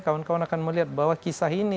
kawan kawan akan melihat bahwa kisah ini